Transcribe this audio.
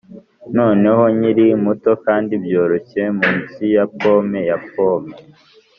noneho nkiri muto kandi byoroshye munsi ya pome ya pome